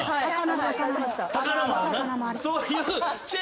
はい。